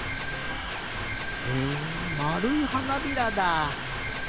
へえまるいはなびらだ。